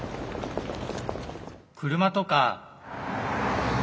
車とか。